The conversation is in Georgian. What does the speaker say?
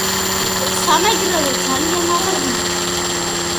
სამეგროლო ძლიან ლამაზია